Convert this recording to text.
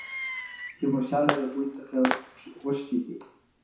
تیمورشاه له هغوی څخه غوښتي دي.